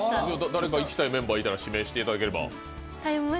誰か行きたいメンバーがいたら指名していただければ。